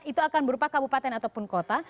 itu akan berupa kabupaten ataupun kota